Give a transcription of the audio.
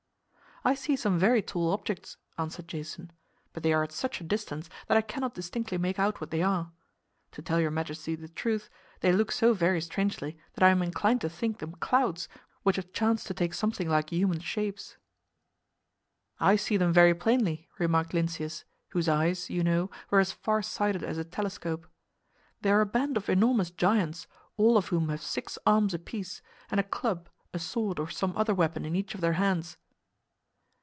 "I see some very tall objects," answered Jason, "but they are at such a distance that I cannot distinctly make out what they are. To tell your majesty the truth, they look so very strangely that I am inclined to think them clouds which have chanced to take something like human shapes." "I see them very plainly," remarked Lynceus, whose eyes, you know, were as far sighted as a telescope. "They are a band of enormous giants, all of whom have six arms apiece, and a club, a sword or some other weapon in each of their hands."